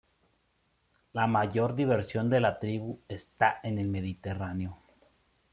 La mayor diversidad de la tribu está en el Mediterráneo.